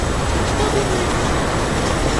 А што думаеце вы?